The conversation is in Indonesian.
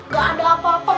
gak ada apa apa